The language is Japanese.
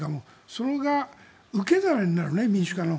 それが受け皿になる民主化の。